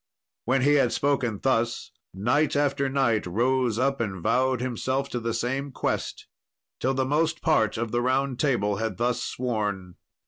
When he had spoken thus, knight after knight rose up and vowed himself to the same quest, till the most part of the Round Table had thus sworn.